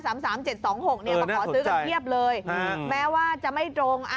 มาขอซื้อกันเพียบเลยแม้ว่าจะไม่ตรง